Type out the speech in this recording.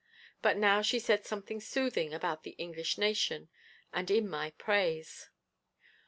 But now she said something soothing about the English nation, and in my praise.